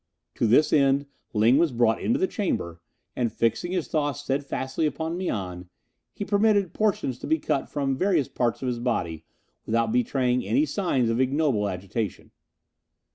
To this end Ling was brought into the chamber, and fixing his thoughts steadfastly upon Mian, he permitted portions to be cut from various parts of his body without betraying any signs of ignoble agitation.